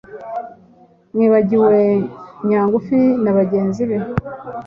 mwibagiwe nyangufi na bagenzi be,